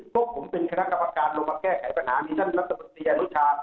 พวกผมเป็นศัตรูษีรัฐบัตรการลงมาแก้ไขปัญหามีท่านมัติศัตรูศิญญาศุชา